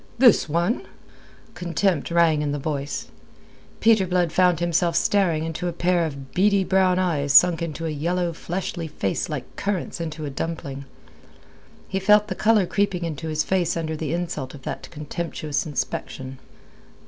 "This one?" Contempt rang in the voice. Peter Blood found himself staring into a pair of beady brown eyes sunk into a yellow, fleshly face like currants into a dumpling. He felt the colour creeping into his face under the insult of that contemptuous inspection.